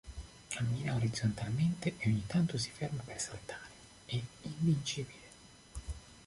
Cammina orizzontalmente e ogni tanto si ferma per saltare, è invincibile.